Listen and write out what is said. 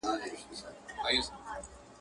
د غنمو د رويه ځوز هم اوبېږي.